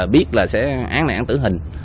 biết là sẽ án nạn tử hình